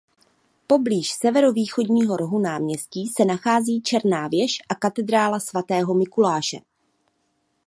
Poblíž severovýchodního rohu náměstí se nachází Černá věž a katedrála svatého Mikuláše.